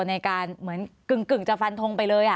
ในการเหมือนกึ่งจะฟันทงไปเลย